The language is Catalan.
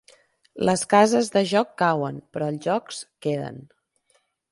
Les cases de joc cauen, però els jocs queden.